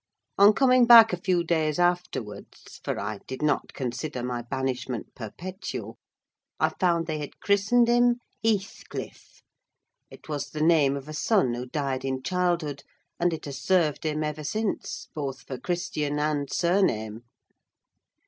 On coming back a few days afterwards (for I did not consider my banishment perpetual), I found they had christened him "Heathcliff": it was the name of a son who died in childhood, and it has served him ever since, both for Christian and surname.